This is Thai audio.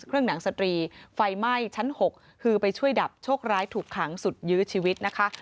หนังสตรีไฟไหม้ชั้น๖คือไปช่วยดับโชคร้ายถูกขังสุดยื้อชีวิตนะคะ